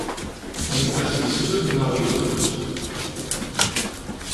Init-as yesleb neɣ yetlef.